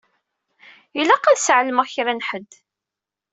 Ilaq ad sɛelmeɣ kra n ḥedd.